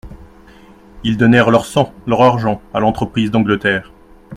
Ils donnèrent leur sang, leur argent, à l'entreprise d'Angleterre.